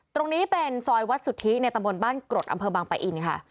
ตรงนี้เป็นซอยวัดสุทธิในตำบลบ้านกรดอำเภอบางปะอินค่ะ